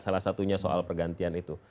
salah satunya soal pergantian itu